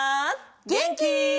げんき？